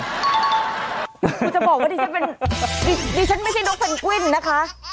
คุณจะบอกว่าดิฉันไม่ใช่นกเซ็นกวิ่นนะคะ